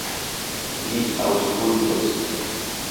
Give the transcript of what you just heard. Vi aŭskultos!